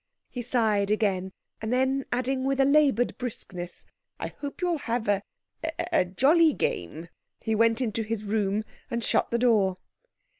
He sighed again, and then adding with a laboured briskness, "I hope you'll have a—a—jolly game," he went into his room and shut the door.